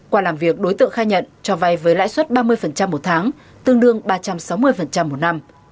qua làm việc đối tượng khai nhận cho vay với lãi suất ba mươi một tháng tương đương ba trăm sáu mươi một năm